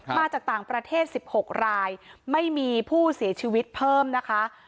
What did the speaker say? มาจากต่างประเทศ๑๖รายไม่มีผู้เสียชีวิตเพิ่มนะคะ